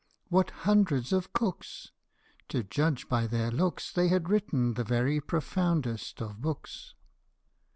What hundreds of cooks ! To judge by their looks, They had written the very profoundest of books.